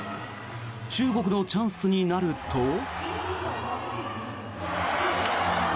中国のチャンスになると。